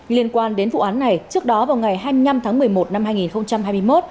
liên quan đến vụ án này trước đó vào ngày hai mươi năm tháng một mươi một năm hai nghìn hai mươi một